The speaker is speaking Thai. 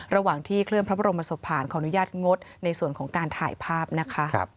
ระหว่างที่เคลื่อนพระบรมศพผ่านขออนุญาตงดในส่วนของการถ่ายภาพนะคะ